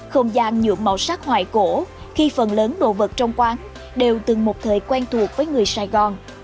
không gian nhuộm màu sắc hoài cổ khi phần lớn đồ vật trong quán đều từng một thời quen thuộc với người sài gòn